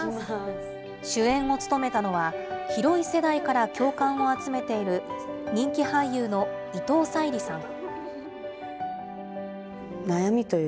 主演を務めたのは、広い世代から共感を集めている人気俳優の伊藤沙莉さん。